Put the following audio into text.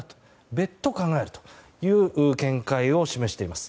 別途、考えるという見解を示しています。